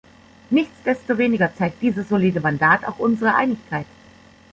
Nichtsdestoweniger zeigt dieses solide Mandat auch unsere Einigkeit.